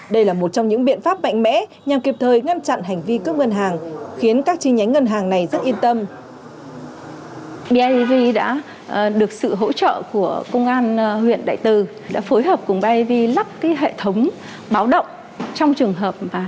đây là một trong những biện pháp mạnh mẽ nhằm kịp thời ngăn chặn hành vi cướp ngân hàng khiến các chi nhánh ngân hàng này rất yên tâm